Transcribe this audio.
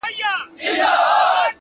د زړگي ښار ته مي لړم د لېمو مه راوله”